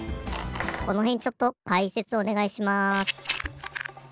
このへんちょっとかいせつおねがいします。